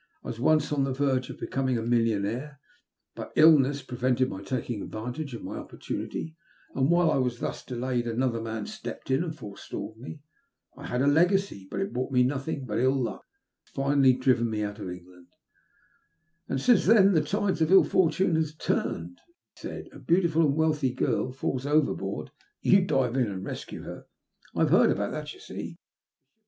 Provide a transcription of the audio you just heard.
I was once on the verge of becoming a millionaire, but ill ness prevented my taking advantage of my oppor tunity; and while I was thus delayed another man stepped in and forestalled me. I had a legacy, but it brought me nothing but ill luck, and has finaUy driven me out of England." *' And since then the tide of ill fortune has turned," ^TO ARE SAVED. 207 he said. A beautiful and wealthy girl falls overboard — you dive in, and rescue her. I have heard about that, you see.